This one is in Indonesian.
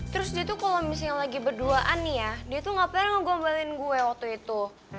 terus dia tuh kalau misalnya lagi berduaan nih ya dia tuh gak pernah ngegombalin gue waktu itu